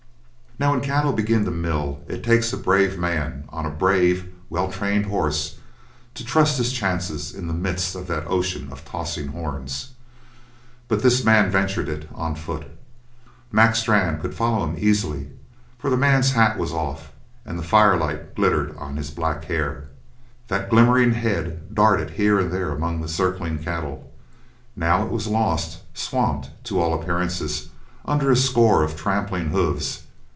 Now, when cattle begin to mill it takes a brave man on a brave, well trained horse to trust his chances in the midst of that ocean of tossing horns. But this man ventured it on foot. Mac Strann could follow him easily, for the man's hat was off, and the firelight glittered on his black hair. That glimmering head darted here and there among the circling cattle. Now it was lost, swamped, to all appearances, under a score of trampling hooves.